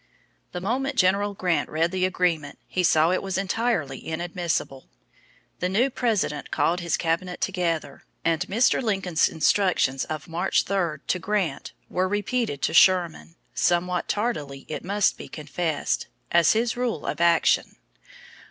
The moment General Grant read the agreement he saw it was entirely inadmissible. The new President called his cabinet together, and Mr. Lincoln's instructions of March 3 to Grant were repeated to Sherman somewhat tardily, it must be confessed as his rule of action.